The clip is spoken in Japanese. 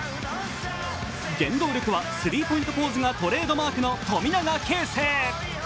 原動力はスリーポイントポーズがトレードマークの富永啓生。